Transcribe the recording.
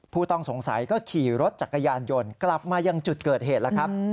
ผู้ต้องสงสัยก็ขี่รถจักรยานยนต์กลับมายังจุดเกิดเหตุแล้วครับ